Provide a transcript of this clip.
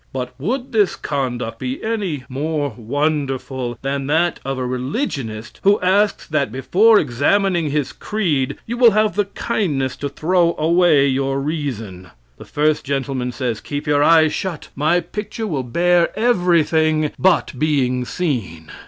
But would this conduct be any more wonderful than that of a religionist who asks that before examining his creed you will have the kindness to throw away your reason? The first gentleman says: "Keep your eyes shut; my picture will bear everything but being seen.